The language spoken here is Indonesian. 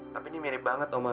tapi ini mirip banget oma